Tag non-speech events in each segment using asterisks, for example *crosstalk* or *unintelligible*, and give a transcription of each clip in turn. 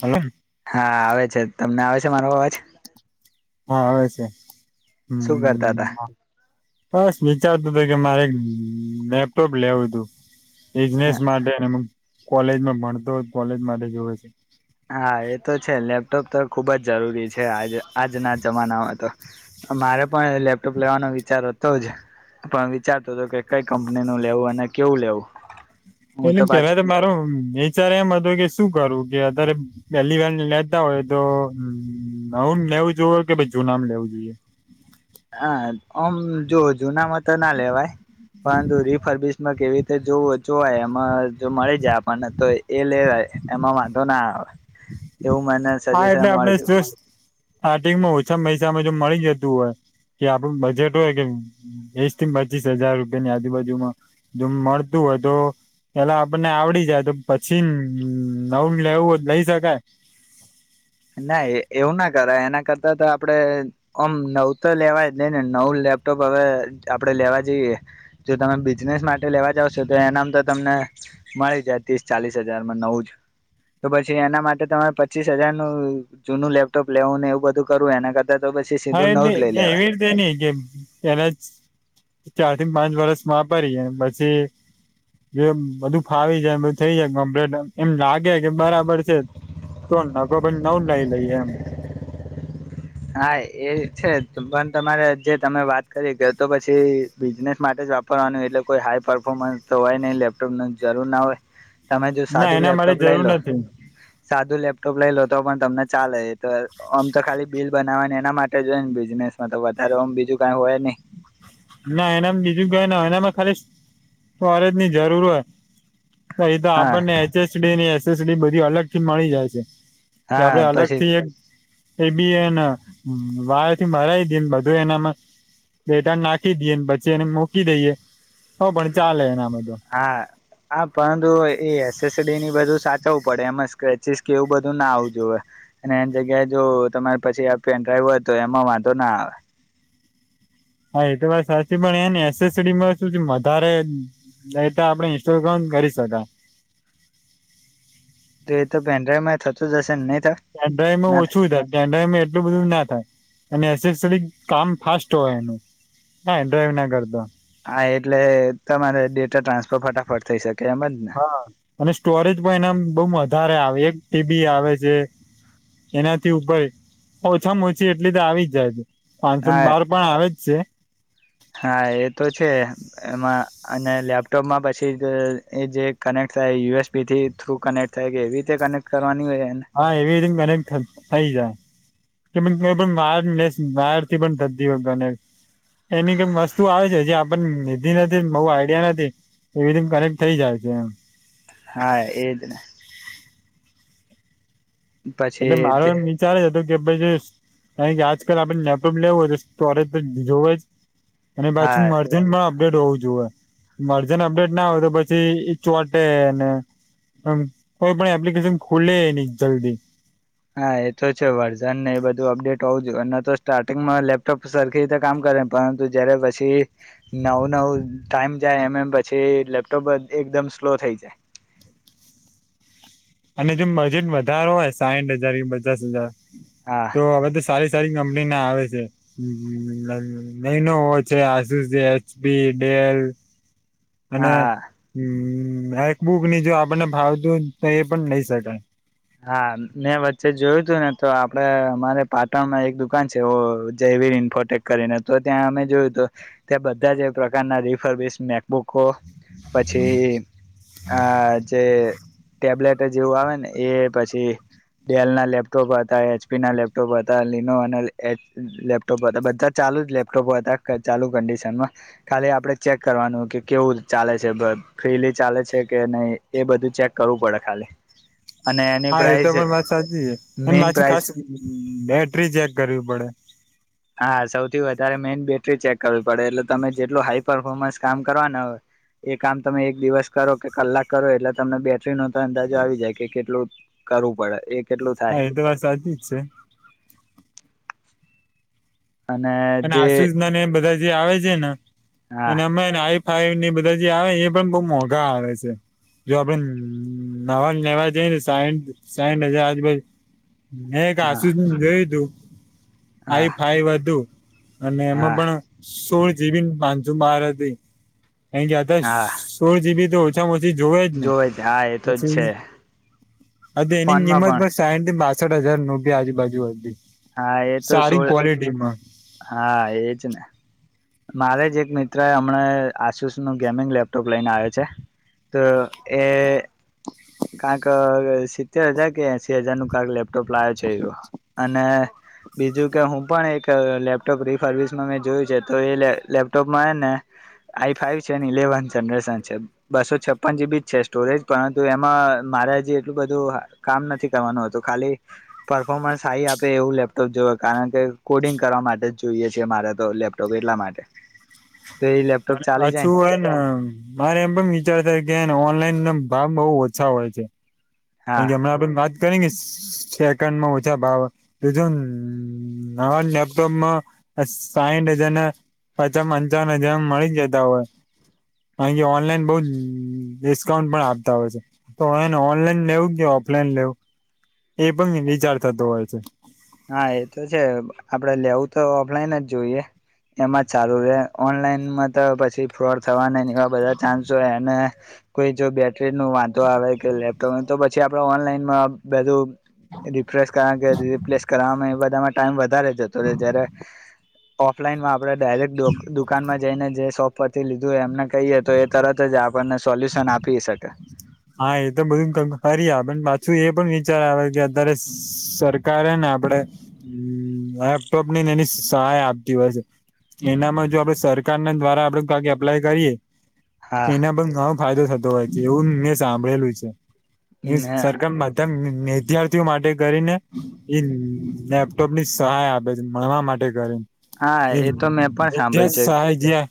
હાલો. હા આવે છે, તમને આવે છે, મારો અવાજ હા આવે છે. શું કરતા હમ તા? બસ વિચારતું કે મારે લેપટોપ લેવું તું. બિઝનેસ માટે *unintelligible* કોલેજમાં ભણતો હોય તો કોલેજ માટે જોવે છે. હા એ તો છે. લેપટોપ તો ખુબ જ જરૂરી છે આજ આજના જમાનામાં તો. મારે પણ લેપટોપ લેવાનો વિચાર હ તો જ પણ વિચારતો હતો કે કઈ કંપની નું લેવું અને કેવું લેવું. હું એટલે પેલા પાછું તો મારો વિચાર એમ હતું કે શું કરવું? કે અતારે પેલી વાર લેતા હોય તો હમ્મ નવુંમ લેવું જોઈએ કે પછી જુનામ લેવું જોઈએ. હા ઓમ જો જુનામાં તો ના લેવાય. પરંતુ રિફરબિશમાં કા એવી તે જોવ જોવાય એમાં જો મળી જાય આપણને તો એ લેવાય એમાં વાંધો ના આવે. *inaudible* એવું મને હા સજેશન એટલે આપણે મળ્યું હતું જો સ્ટાર્ટિંગમાં ઓછા પૈસામાં જો મળી જતું હોય કે આપડું બજેટ હોય કે વિસ થી પચીસ હજાર રૂપિયા ની આજુબાજુમાં, જો મળતું હોય તો પેલા આપણને આવડી જાય તો પછી નવું લેવું હોય તો લઈ શકાય. ના એવું ના કરાય. એના કરતા તો આપડે ઓમ નવ તો લેવાય જ નઈ ને. નવ લે પટોપ હવે આપણે લેવા જઈએ જો તમે બિઝનેસ માટે લેવા જાવ છો તો એનામ તો તમને મળી જાય ત્રીસ ચાલીસ હજારમાં નવું જ. તો પછી એના માટે તમારે પચીસ હજાર નું જૂનું લેપટોપ લેવું ને એવું બધું કરવું એના કર હા એટલે એ એવી રીતે નહી જેમ પેલા જ ચાર થી પાંચ વર્ષ વાપરીએ પછી જો બધું ફાવી જાય, બધું થઇ કમ્પલેટ, એમ લાગે કે બરાબર છે *unintelligible* નવું જ લઈ લઈએ એમ. હા એ છે, પણ તમારે જે તમે વાત કરી કે તો પછી બિઝનેસ માટે વાપરવાનું એટલે કોઈ હાઈ પરફોર્મન્સ તો હોય નહી લેપટોપ જરૂર ના હોય. તમે જો ના સાદું એના મારે લેપટોપ લઈ જરૂર લો નથી સાદું લેપટોપ લઈ લો તો પણ તમને ચાલે તો ઓમ તો ખાલી બિલ બનાવવા ને એના માટે જ હોય ને બિઝનેસમાં તો વધારે ઓમ બીજું કાઈ હોય નહીં. ના એનામાં બીજું કાય ના હોય, એનામાં ખાલી ફરજ ની જરૂર હોય. તો એ તો હા આપણને H S D S S ડીની બધી અલગથી મળી જાય છે. કે હા આપડે પછી અલગથી એક એ બી એન વાળ થી મરાય દીન બધું એનામાં બેેટા નાખ ખી દીએ ને પછી મૂકી દઈએ તો પણ ચાલે એમ એ બધું. હા હા પરંતુ એ એસ એસ ડી ની ઈ બધું સાચવું પડે. એમાં સ્ક્રેચિસ કેવું બધું ના આવતું હોય. અને એની જગ્યાએ જો તમારે પછી આ પેનડ્રાઈવ તો એમાં વાંધો ના આવે. હા એ તો વાત સાચી પણ એને એસેસસરીઝમાં શું છે વધારે એ તો આપડે ઇન્સ્ટોલ કર કરી શકાય. તો એ તો પેનડ્રાઈવ માં થતું જ હશે નહ પેનડ્રાઈવ માં ઓછું થાય, પેનડ્રાઈવમાં એટલું બધું ના થાય. અને એસે સરીઝ કામ ફાસ્ટ હોય એનું. પેનડ્રાઈવ ના કરતા. હા એટલે તમારે ડેટા ટ્રાન્સફર ફટાફટ થઇ શકે એમ જ ને. હા અને સ્ટોરેજ પણ એને એમ બઉ વધારે આવે એક એ બી આવે છે. એનાથી ઉપર ઓછામાં ઓછી એટલી તો આવી જ જાય છે. પાંચસો હા બાર પણ આવે જ છે. હા એ તો છે. એમાં અને લેપટોપમાં પછી અહ એ જે કનેક ક્ટ થાય યુ એસ બી થી થ્રુ કનેક્ટ થાય કે એવી રીતે કનેક્ટ કર હા એવી રી કનેક્ટ થઈ જાય. કે *unintelligible* પણ *unintelligible* બહારથી પણ થતી હોય કનેક્ટ. એની કેમ વસ્તુ આવે છે જે આપણન લીધી નથી ને બહું આઈડિયા નથી. રીડિંગ કરેક્ટ થઇ જાય છે એમ હા એજ ને એટલે મારો પછી એમ વિચારે જ હતો કે પછી કઈ આજકાલ આપે નેપ લેવો હોય તો સ્ટોરેજ ત જોવે જ અને પાછું હા મર્જનમાં ડેટ હોવું જોવે મર્જન અપડેટ ના હોય તો પછી ચોટેને આમ કોઈ પણ એપ્લિકેશન ખુલે ની જલ્દી હા એ તો છે વર્ઝનને એ બધું અપડેટ હોવું જોઈએ તો સ્ટાર્ટિંગમાં લેપટોપ સરખી રીતે કામ ક કરે પરંતુ જ્યારે પછી નવું નવું ટાઈમ જાય એમ એમ પછી લેપટોપ એક દમ સ્લો થઇ જાય અને જે બજેટ વધારો હોય સાહીઠ હજાર પચાસ હજાર હા તો હવે ત સારી સારી કમ પની આવે છે નેનો હોય છે આસુ એચ પી ડેલ અને હા હમ એકબુક ની જો આપણને ભાવતું થઇ પણ નઈ શકાય હા મેં વચ્ચે જોયું તું ને તો આપડે અમારે પાટણમાં એક દુકાન છે ઓ જય વીર ન્ફોટેક કરીને તો ત્યાં અમે જોયું તો ત્યાં બધા જ પ્રકારના રીફર બેઝ મેકબુકો પછી આ જે ટેબ્લેટ જેવું આવે ને એ પછી ડેલ ના લેપટોપ હતા એચ પી ના લેપટોપ હતા લિનો અને લેપટોપ હતા બધા ચા લુ જ લેપટોપો હતા ચાલુ કંડિશનમાં ખાલી આપડે ચેક કરવાનું કે કેવું ચાલે છે બ ફ્રીલી ચાલે છે કે નહી એ બધું ચેક કરવું પડે ખાલી અને એની હા એ તો પ્રાઇસ પણ સાચી છે અને મેઈન માછી પ્રાઇસ ખાસ બેટરી ચેક કરવી પડે હા સૌથી વધારે મેન બેટરી ચેક કરવી પડે એટલે તમે જેટલું હાઈ પરફોર્મન્સ કામ કરવાના હોય એ કામ તમે એક દિવસ કરો કે કલાક કરો એટલે તમને બે ટ્રી નો ત અંદાજો આવી જાય કે કેટલું કરવું પડે એક હા એ તો વાત સાચી જ છે અને આસુ જ નાને બધા જે આવે છે ને હા એને અમે નાઈ આઈને બધા જે આવે એ પણ બહુ મોંઘા આવે છે જો આપણે નવા લેવા જઈએ ને સાઈઠ સાઈઠ હજાર આજ મે હા કાસું જોયું તું હા આઈ ફાઈ બધું અને હા એમાં પણ સોળ જીબી પાનસો બાર હતી કાંઈ કે તા હા સોળ જીબી તો ઓછામાં ઓ તી જોવે જ ને જ હા એ તો જ પછી છે એની કિંમત પણ સાઈઠ થી બા છેક હજાર નું બી આજુબાજુ હતી હા એ તો સારી સોળ ક્વોલિટીમાં હા એજ ને મારે જ એક મિત્ર હમણા આશુષ નું ગેમિંગ લેપટોપ લઈને આવ છે ત એ કાક સિત્તેર હજાર કે એસી હજાર નું કાક લેપટોપ લાવે છે અને બીજું કે હું પણ એક લેપટોપ રીસર્વિસમાં મેં જોયું છે તો એ લેપટોપમાં ને આઈ ફાઈ છે ઇલેવન જનરેશન છે બસો છપ્પન જીબી જ છે સ્ટોરેજ પરંતુ એ માં મારે હજી એટલું બધું કામ નથી કરવાનું હતું ખાલી પફોર્મન્સ સ આપે એવું લેપટોપ જો કારણ કે કોડિંગ કરવા માટે જ જોઈએ છે મારે તો લેપટોપ એટલા માટે *inaudible* તો એ લેપટોપ રે ચાલી જાય પાછું હોય ને મારે એમ પણ વિચારતા કે ઓનલાઈનમ ભાવ બહુ ઓછા હોય છે એ હા કે હમણા પણ વાત કરી કે સેકન્ડ માં ઓછા ભાવ તજું નાવ નેપટોપ સાહીઠ હજારના પાછા પંચાવન હજારમાં મળી જતા હોય ઓનલાઈન બઉ ડિસ્કાઉન્ટ પણ આપતા હોય છે તો ઓનલાઈન લેવું કે ઓફલાઈન લેવું એ પણ વિચાર થતો હોય છે. હા એ તો છે આપડે લેવું તો ઓફલાઈન જ જોઈએ. એમાં જ ચારુ રે ઓનલાઈનમાં તો પછી ફ્રોડ થવા એવા બધા ચાન્સો એમને કોઈ જો બેટરી નું વાંધો આવે કે લેપટોપ તો પછી આપડ ઓનલાઈનમાં બધું રિફ્રેશ કરવા કે રિપ્લેસ કર એ બધામાં ટાઈમ વધારે જતો જયારે ઓફલાઈન માં આપણે ડાયરેક્ટ દુકાનમાં જઈને જે શોપ પથી લીધું એમને કહીએ તો એ તરત જ આપણને સોલ્યુશન આપી શકે. હા એ તો બધું ખરી પણ પાછું એ પણ વિચાર આવે કે અત્યારે સરકારેને આપડે અમ્મ લેપટોપને એની સહાય આપતી હોય છે. એનામાં જો આપડે સરકાર ના દ્વારા આપડે ક એપ્લાય કરીએ હા એના પણ ઘણો ફાયદો થતો હોય છે એવું મેં સાંભળેલું છે. એ સરરમા મધમ વિદ્યાર્થીઓ માટે કરીને ઈ લેપટોપ ની સહાય આપે છે ભણવા માટે કરીને હા એ તો મેં પણ હ એજ સાંભળ્યું છે સા જયા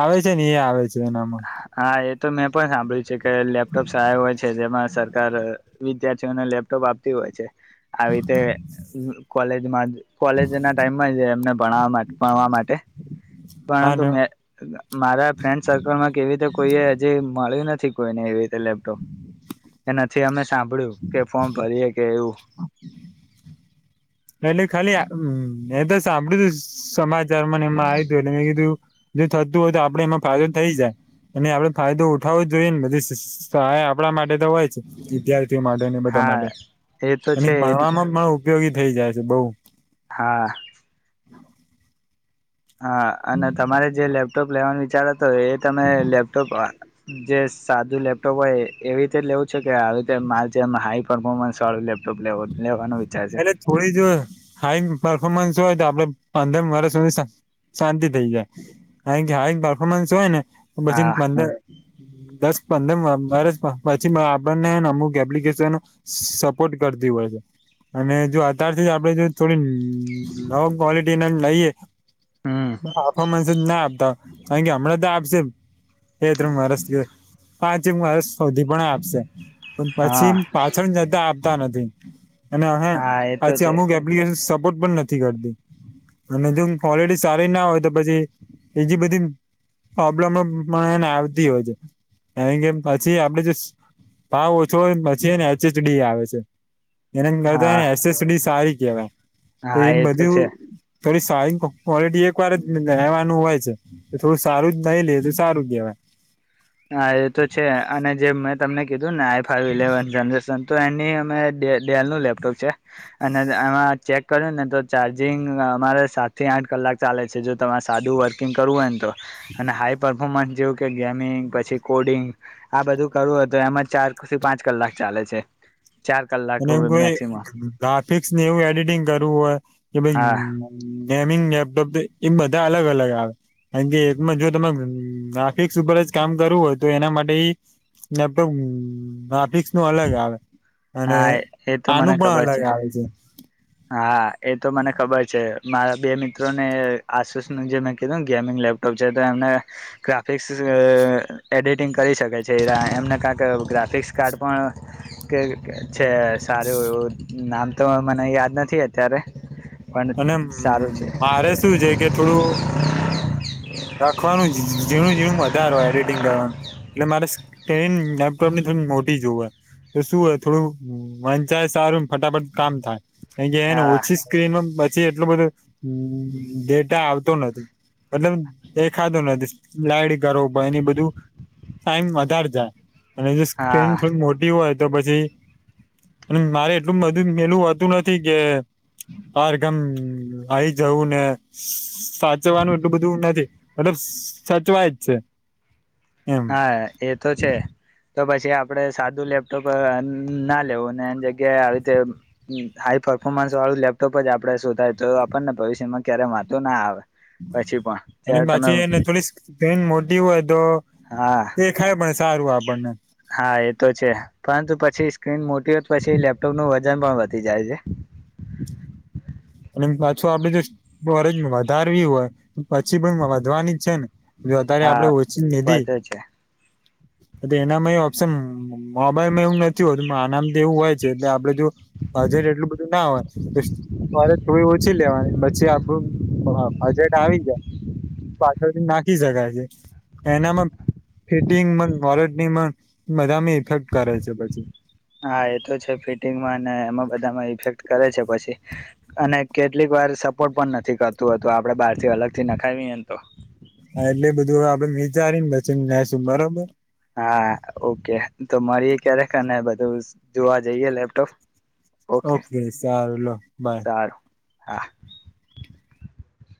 આવે છે ને એ આવે છે એનામાં. હા એ તો મેં પણ સાંભળ્યું છે કે લેપટોપ્સ આ હોય છે જેમાં સરકાર વિદ્યાર્થીઓને લેપટોપ આપતી હોય છે. આવી રીતે કોલેજમાં કોલેજ ના ટાઈમમાં જ એમને ભણવામાં ભાડ માટે પરંતુ અને મેં મારા ફન્ માં કેવી રીતે કોઈ હજી મળ્યું નથી કોઈને એવી રીતે લેપટોપ કે નથી અમે સાંભળ્યું કે ફોર્ન ભરીએે કે એવું. એટલે ખાલી એ તો સાંભળ્યું તું સમાચાર મને એમાં આવ તું એટલે મેં થિયુ જો થતું હોય તો આપડે એમાં ફાયદો થઈ જાય. એ આપડે ફાયદો ઉઠાવવો જ જોઈએ ને બધી સહાય આપણા માટે તો હોય જ વિદ્યાર્થી માટે ને બધા હા માટે તો એ છે ભણવામાં પણ ઉપયોગી થઈ જાય છે બઉ હા. હા અને તમારે જે લેપટોપ લેવાનું વિચારો તો એ તમે લેપટોપ જે સાદું લેપટોપ હોય એવી રીતે લેવું છે કે આવી રીતે મારે જેમ હાઈ પરફોર્મન્સ વાળું લેપ એલે થોડી જો હાઈ. પરફોર્મન્સ હોય તો આપડે પંદરમ વર્ષ સુધી શાંતિ થઇ જાય હ પફોમન્સ હોય ને પછી હા અંદર દસ પંદર વર્ષ પછી આપણને અમુક એપ્લિકેશન સપોર્ટ કરતી હોય છે. અને જો અત્યારથી જ આપડે જો થોડી નવ ક્વલિટી ના લઈએ હમ આફ મસ જ ના આપતા કારણ કે હમણાં તો આપશે એ તું મારેસ પાંચે મારેસ સૌધી પણ આપશે. પણ પછી હા પાછળ જતા આપતા નથી અને અ હા એ તો પછી છે અમુક એપ્લિકેશન *unintelligible* પણ નથી કરતી. અને જો હોલિડે સારી ના હોય તો પછી એજી બધી પ્રોબ્લેમ પણને આવતી હોય છે એ કેમ પછી આપડે જો ભાવ ઓછો પછી ને એચ એચડી આવે છે. એને હા કરતાને એસસડી સારી કેવાય. હા એ તો છે. થોડી સારી ક્વોલિટી એક વાર જ રહેેવાનું હોય છે થોડું સારું જ નહીિ લે તો સારું જ કહેવાય. *inaudible* હા એ તો છે અને જે મેં તમને કીધું ને આઈ ફાઈવ ઇલેવન જનરેશન તો એની અમે ડેલ નું લેપટોપ છે અને એમાં ચેક કર્યું ને તો ચાર્જિંગ અમારે સાતથી આઠ કલાક ચાલે છે જો તમારે સાદું વર્કિંગ કરવું હોય ને તો અને હાઈ પફોર્મન્સ જેવું કે ગેમિંગ પછી કોડિંગ આ બધું કરવું હતુ એમાં ચારથી પાંચ કલાક ચાલે છે ચાર કલાક અને એ કોઈ મેક્સિમમ ગ્રાફિક્સને એવું એડિટિંગ કરવું હોય કે હા ભાઈ લેપટોપ એ બધા અલગ અલગ આવે કારણ કે એકમાં જો તમે ગાફિક્સ ઉપર જ કામ કરવું હોય તો એના માટે નેપો ગફિક્સ નું અલગ આવે અને હા એ તો મને આનું પણ ખબર અલગ આવે છે હા એ તો મને ખબર છે મારા બે મિત્રોને આસપાસનું જે મેં કીધું ને ગેમિંગ લેપટોપ છે તો એમને ગ્રાફિક્સ એડિટિંગ કરી શકે છે એ એમને કારં કે ગ્રાફિક્સ કાર્ડ પણ કે છે સારું એવું નામ તો મને યાદ નથી અત્યારે પણ અને હ સારું છે મારે શું છે કે થોડું રાખવાનું જ ઝણ ઝીણું વધારેો હોય એડિટિંગ કરવાનું એટલે મારે સ્ક્રીન લેપટોપની થોડી મોટી જોવ હોય તો શું હોય થોડું વંચાય સારું ફટાફટ કામ થાય કાર કે એને હા ઓછી સ્ક્રીનમાં પછી એટલું બધું ડેટા આવતો નથી મતલબ દેખાતું નથી લાયડી કરો પણ એની બધું ટાઈમ વધારે જાય અને જો હા સ્ક્રીન થોડી મોટી હોય તો પછી અને મારે એટલું બધું મેલું હોતું નથી કે હ ગમ આઈ જવું ને સાચવાનું એટલું બધું નથી મલબ સચવાય જ છે એમ હા એ તો છે તો પછી પ આપણે સાદું લેપટોપ ના લેવું એ જગ્યાએ આવી રીતે હાઈ પરફોમસ વાળું લેપટોપ જ આપડણે શોધાય તો આપણ ને ભવિષ્યમાં ક્યારે વાંધું ના આવે પછી પણ અને ત્યારે તમે બાછી એ થોડી મો હોય તો હા એ ખાય પણ સારું આપણને હા એ તો છે પરંતુ પછી સ્ક્રીન મોટી હોત પછી લેપટોપનુંું વજન પણ વધી જાય છે હ પાછું આપડે જો ફરજ વધારવી હોય તો પછી પણ વધવાની છે ને જો અત્યારે આપડે હા ઓચીંગ લીધી વધે છે એનામાં એ ઓપ્શન મોબાઈલમાં એવું નથી હોતું આનામ તો એવું હોય છે એટલે આપડે હજ એટલું બધું ના હોય મારે થોડી ઓછી લેવાની પછી આું બજેટ આવી ગાય પાછળથી નાખ શકાય છે એનામાં ફિટિંગ વોરટની બધા હા એ તો છે ફિટિંગમાં એમાં બધામાં ઇફેક કરે છે પછી અને કેટલીક વાર સપોર્ટ પણ નથી કરતુંતું આપડે બહાર થી અલગ થી નખાવી મે તો વિચારી ને પછી નસું બરોબર હા ઓકે તો મળીએ ક્યારેક ને બધું જોવા જઈએ લેપટોપ ઓકે સારું લો બાય સારું હા